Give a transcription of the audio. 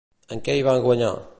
En què hi va guanyar?